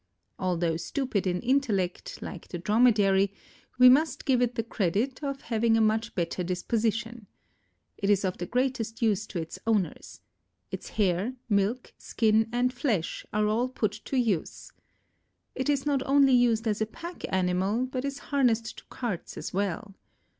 Although stupid in intellect, like the Dromedary, we must give it the credit of having a much better disposition. It is of the greatest use to its owners. Its hair, milk, skin and flesh are all put to use. It is not only used as a pack animal, but is harnessed to carts as well.